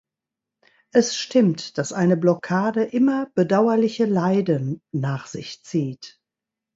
Es stimmt, dass eine Blockade immer bedauerliche Leiden nach sich zieht.